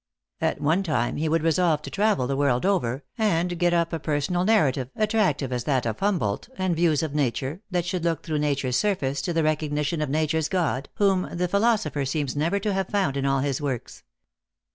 At one time he would resolve to travel the world over, and get up a personal narrative, at tractiw as that of Humboldt, and views of nature, that should look through nature s surface to the re cognition of Nature s God, whom the philosopher seems never to have found in all his works.